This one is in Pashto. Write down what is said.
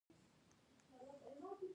ته وګوره چې څنګه ښکاري